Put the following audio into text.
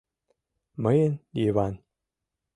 Мыйын — Йыван.